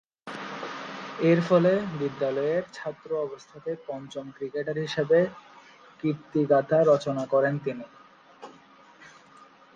এরফলে বিদ্যালয়ের ছাত্র অবস্থাতেই পঞ্চম ক্রিকেটার হিসেবে এ কীর্তিগাঁথা রচনা করেন তিনি।